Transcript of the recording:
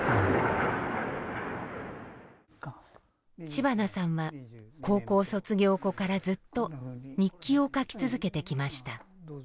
知花さんは高校卒業後からずっと日記を書き続けてきました。